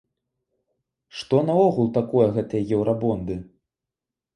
Што наогул такое гэтыя еўрабонды?